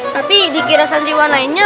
tapi di kira kira santriwan lainnya